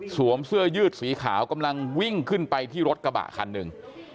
เสื้อยืดสีขาวกำลังวิ่งขึ้นไปที่รถกระบะคันหนึ่ง